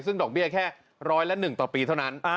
ซึ่งดอกเบี้ยแค่ร้อยละ๑ต่อปีเท่านั้น